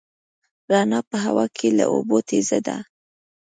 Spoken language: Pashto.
رڼا په هوا کې له اوبو تېزه ده.